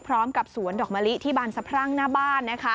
พร้อมกับสวนดอกมะลิที่บานสะพรั่งหน้าบ้าน